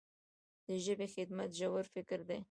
د ژبې خدمت ژور فکر دی.